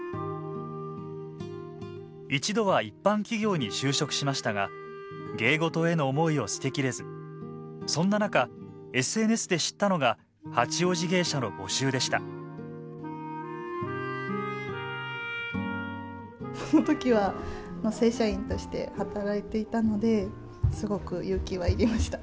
一度は一般企業に就職しましたが芸事への思いを捨て切れずそんな中ＳＮＳで知ったのが八王子芸者の募集でしたその時は正社員として働いていたのですごく勇気はいりました。